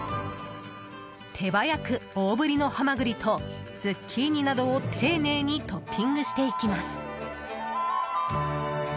手早く、大ぶりのハマグリとズッキーニなどを丁寧にトッピングしていきます。